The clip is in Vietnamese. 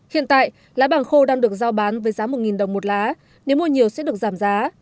hiện tại lá bàng khô đang được giao bán với giá một đồng một lá nếu mua nhiều sẽ được giảm giá